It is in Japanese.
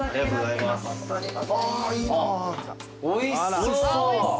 おいしそう！